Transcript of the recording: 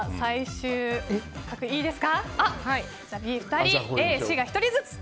Ｂ２人、Ａ、Ｃが１人ずつ。